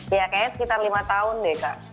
ya kayaknya sekitar lima tahun deh kak